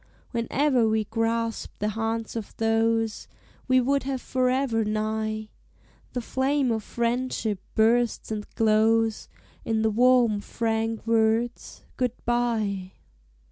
Whene'er we grasp the hands of those We would have forever nigh, The flame of Friendship bursts and glows In the warm, frank words, "Good bye."